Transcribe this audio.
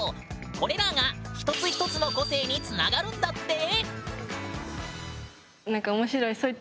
これらが一つ一つの個性につながるんだって！